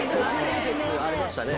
ありましたね。